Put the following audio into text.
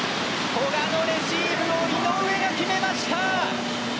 古賀のレシーブを井上が決めました！